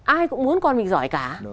ai cũng muốn con mình giỏi cả